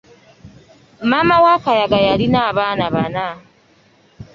Maama wa Kayaga yalina abaana bana.